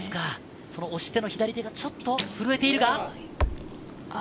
押し手の左手がちょっと震えているか？